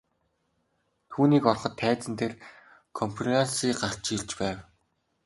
Түүнийг ороход тайзан дээр КОНФЕРАНСЬЕ гарч ирж байв.